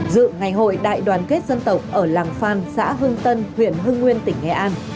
dự ngày hội đại đoàn kết dân tộc ở làng phan xã hưng tân huyện hưng nguyên tỉnh nghệ an